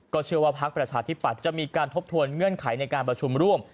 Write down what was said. เชื่อว่าพักประชาธิปัตย์จะมีการทบทวนเงื่อนไขในการประชุมร่วม